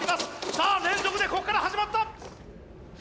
さあ連続でこっから始まった！